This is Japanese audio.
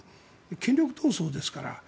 権力闘争ですから。